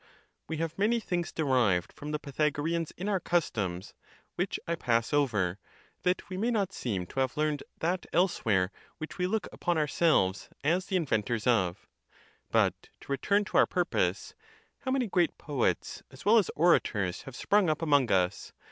We have many things derived from the Pythago reans in our customs, which I pass over, that we may 6* —, V 130 THE TUSCULAN DISPUTATIONS. not seem to have learned that elsewhere which we look upon ourselves as the inventors of. But to return to our purpose. How many great poets as well as orators have sprung up among us!